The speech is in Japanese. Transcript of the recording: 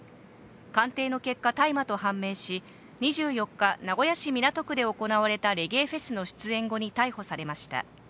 鑑定の結果、大麻と判明し、２４日、名古屋市港区で行われたレゲエフェスの出演後に逮捕されました。